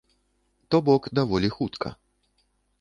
То бок даволі хутка.